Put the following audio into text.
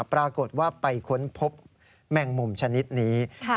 ปรากฏว่าไปค้นพบแมงมุมชนิดนี้